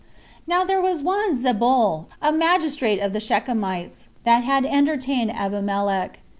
4. Now there was one Zebul, a magistrate of the Shechemites, that had entertained Abimelech.